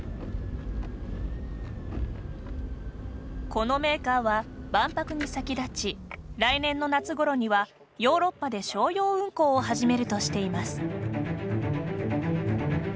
このメーカーは、万博に先立ち来年の夏ごろにはヨーロッパで商用運航を始めるとしています。